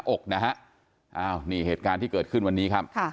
อกนะฮะอ้าวนี่เหตุการณ์ที่เกิดขึ้นวันนี้ครับ